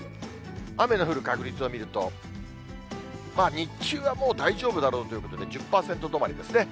雨の降る確率を見ると、日中はもう大丈夫だろうということで、１０％止まりですね。